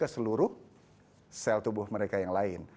ke seluruh sel tubuh mereka yang lain